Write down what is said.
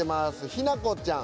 ひなこちゃん。